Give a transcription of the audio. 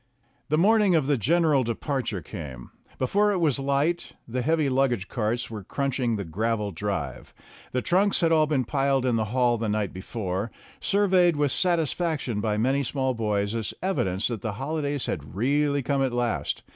The morning of the general departure came. Before it was light the heavy luggage carts were crunching 99 the gravel drive; the trunks had all been piled in the hall the night before, surveyed with satisfaction by many small boys as evidence that the holidays had really come at last.